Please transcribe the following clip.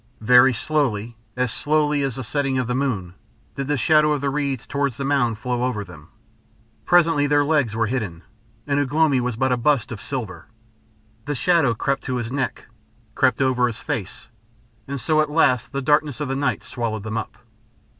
Very slowly, as slowly as the setting of the moon, did the shadow of the reeds towards the mound flow over them. Presently their legs were hidden, and Ugh lomi was but a bust of silver. The shadow crept to his neck, crept over his face, and so at last the darkness of the night swallowed them up.